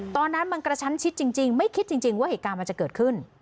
ตอนนั้นมันกระชั้นชิดจริงไม่คิดจริงว่าเหตุการณ์มันจะเกิดขึ้น